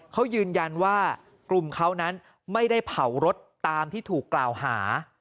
เขายืนยันว่ากลุ่มเขานั้นไม่ได้เผารถตามที่ถูกกล่าวหา